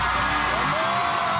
どうも。